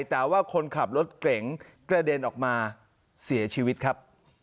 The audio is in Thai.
แต่ว่าคนขับรถเก๋งกระเด็นออกมาเสียชีวิตครับ